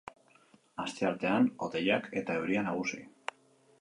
Asteartean hodeiak eta euria nagusi.